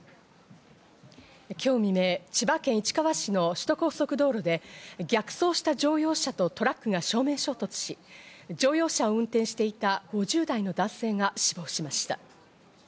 今日未明、千葉県市川市の首都高速道路で逆走した乗用車とトラックが正面衝突し、乗用車を運転していた５０代の男性が死亡しました。